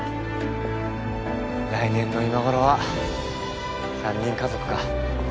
来年の今頃は３人家族か。